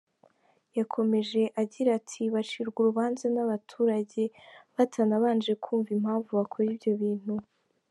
Yakomeje agira ati “Bacirwa urubanza n’abaturage batanabanje kumva impamvu bakora ibyo bintu.